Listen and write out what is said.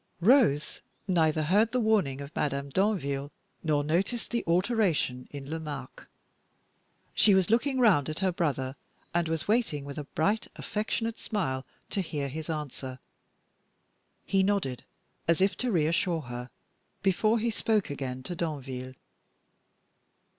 Rose neither heard the warning of Madame Danville, nor noticed the alteration in Lomaque. She was looking round at her brother, and was waiting with a bright, affectionate smile to hear his answer. He nodded, as if to reassure her, before he spoke again to Danville.